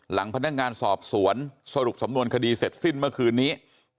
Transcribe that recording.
หลังพนักงานสอบสวนสรุปสำนวนคดีเสร็จสิ้นเมื่อคืนนี้